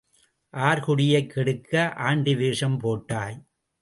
R குடியைக் கெடுக்க ஆண்டி வேஷம் போட்டாய்?